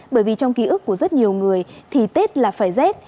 bởi vì trong ký ức của rất nhiều người thì tết là phải rét